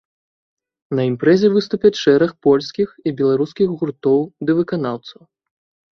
На імпрэзе выступяць шэраг польскіх і беларускіх гуртоў ды выканаўцаў.